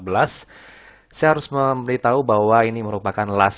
saya harus memberitahu bahwa ini merupakan last